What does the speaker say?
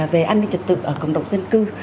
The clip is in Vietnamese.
về an ninh trật tự ở cộng đồng dân cư